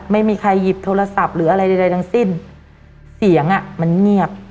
ไม่มีใครหยิบโทรศัพท์หรืออะไรใดทั้งสิ้นเสียงอ่ะมันเงียบ